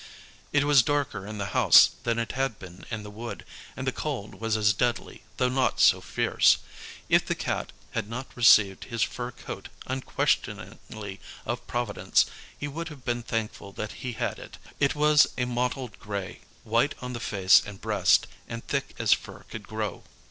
It was darker in the house than it had been in the wood, and the cold was as deadly, though not so fierce. If the Cat had not received his fur coat unquestioningly of Providence, he would have been thankful that he had it. It was a mottled grey, white on the face and breast, and thick as fur could grow.